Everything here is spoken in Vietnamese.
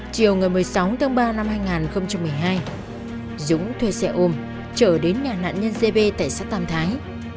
chiều một mươi sáu tháng ba năm hai nghìn một mươi hai dũng thuê xe ôm trở đến nhà nạn nhân giê bê tại sát tàm thái